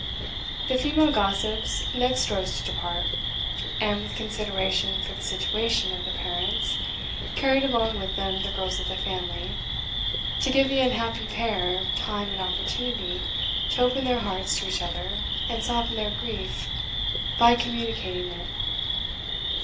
The female gossips next rose to depart, and, with consideration for the situation of the parents, carried along with them the girls of the family, to give the unhappy pair time and opportunity to open their hearts to each other and soften their grief by communicating it.